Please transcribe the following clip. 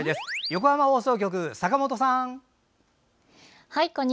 横浜放送局の坂本さん。